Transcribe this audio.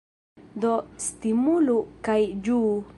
Do stimulu kaj ĝuu!